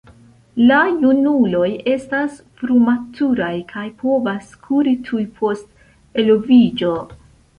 La junuloj estas frumaturaj kaj povas kuri tuj post eloviĝo.